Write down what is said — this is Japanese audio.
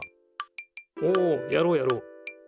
おおやろうやろう。